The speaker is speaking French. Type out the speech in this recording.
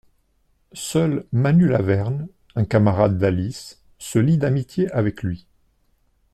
Seul Manu Laverne, un camarade d'Alice, se lie d'amitié avec lui.